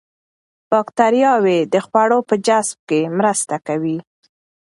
باکتریاوې د خوړو په جذب کې مرسته کوي.